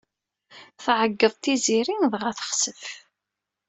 Tɛeggeḍ Tiziri dɣa texsef.